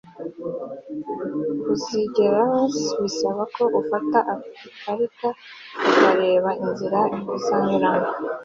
kuzigeraho bisaba ko ufata ikarita ukareba inzira uzanyuramo